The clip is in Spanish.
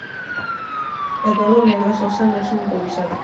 Eduardo "Negro" Sosa no es un improvisado.